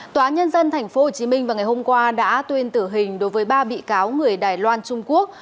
tòa nhân dân tp hcm vào ngày hôm qua đã tuyên tử hình đối với ba bị cáo người đài loan trung quốc